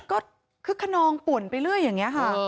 ก็คึกขนองป่วนไปเรื่อยอย่างนี้ค่ะ